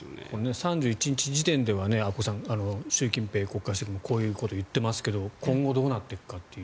３１日時点では阿古さん習近平国家主席もこういうことを言っていますが今後、どうなっていくかという。